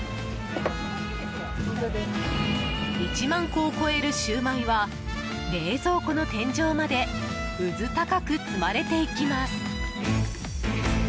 １万個を超えるシュウマイは冷蔵庫の天井までうず高く積まれていきます。